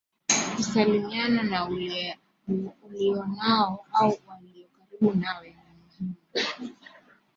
kusalimiana na ulionao au walio karibu nawe ni muhimu